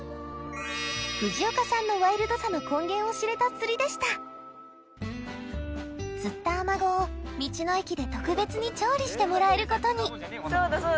藤岡さんのワイルドさの根源を知れた釣りでした釣ったアマゴを道の駅で特別に調理してもらえることにそうだそうだ。